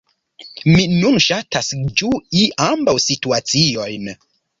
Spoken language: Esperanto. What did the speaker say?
Mi nun ŝatas ĝui ambaŭ situaciojn.